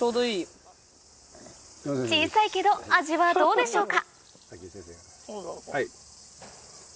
小さいけど味はどうでしょうか？